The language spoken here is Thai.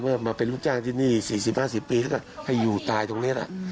เพราะว่ามาเป็นลูกจ้างที่นี่สี่สิบห้าสิบปีแล้วก็ให้อยู่ตายตรงเนี้ยแหละอืม